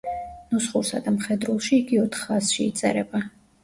ნუსხურსა და მხედრულში იგი ოთხ ხაზში იწერება.